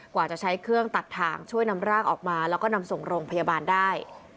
กว่าจะใช้เครื่องตัดถ่างช่วยนำร่างออกมาแล้วก็นำส่งโรงพยาบาลได้